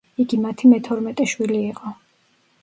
იგი მათი მეთორმეტე შვილი იყო.